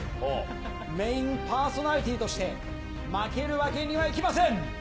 メインパーソナリティーとして、負けるわけにはいきません。